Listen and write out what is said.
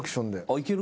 いける？